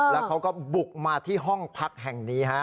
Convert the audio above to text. แล้วเขาก็บุกมาที่ห้องพักแห่งนี้ฮะ